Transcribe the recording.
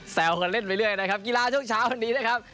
แซวกันเล่นไปเรื่อยนะครับกีฬาช่วงเช้าวันนี้นะครับ